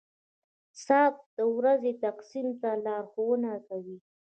• ساعت د ورځې تقسیم ته لارښوونه کوي.